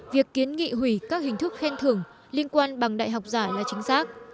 việc kiến nghị hủy các hình thức khen thưởng liên quan bằng đại học giả là chính xác